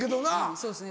そうですね。